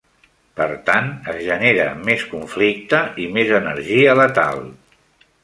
Per tant, es genera més conflicte i més energia letal.